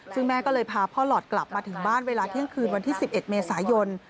ซึ่งแม่ก็เลยพาพ่อหลอดกลับมาถึงบ้านเวลาเที่ยงคืนวันที่๑๑เมษายน